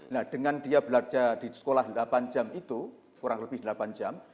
nah dengan dia belajar di sekolah delapan jam itu kurang lebih delapan jam